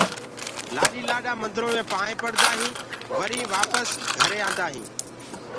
لآڏي لآڏآ مندرو مي پائينٚ پڙدآ هينٚ وري وآپس گھري آندآ هينٚ